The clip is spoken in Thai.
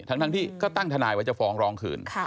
ทั้งที่ก็ตั้งทนายไว้จะฟ้องร้องคืน